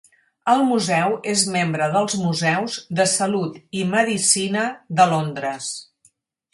El museu és membre dels Museus de Salut i Medicina de Londres.